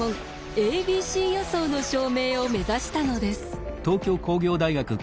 「ａｂｃ予想」の証明を目指したのです。